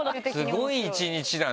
スゴい一日だね！